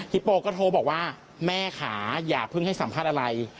โปก็โทรบอกว่าแม่ค่ะอย่าเพิ่งให้สัมภาษณ์อะไร